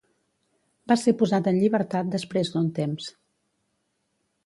Va ser posat en llibertat després d'un temps.